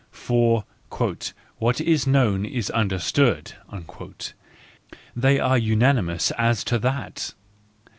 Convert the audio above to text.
For "what is known is understood": they are unanimous as to that.